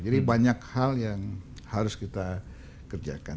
jadi banyak hal yang harus kita kerjakan